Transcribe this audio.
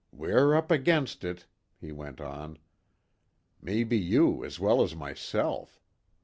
"We're up against it," he went on. "Maybe you as well as myself.